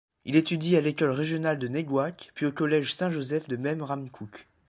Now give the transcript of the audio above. Il étudie à l'école régionale de Néguac puis au Collège Saint-Joseph de Memramcook.